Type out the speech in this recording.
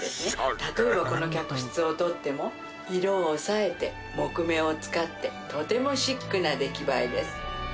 例えばこの客室をとっても色を抑えて木目を使ってとてもシックな出来栄えです